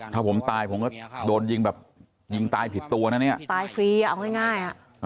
ถ้าผมตายผมก็โดนยิงแบบยิงตายผิดตัวนะเนี่ยตายฟรีเอาง่ายอ่ะ